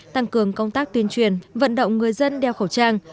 tăng cường công tác tuyên truyền vận động người dân đeo khẩu trang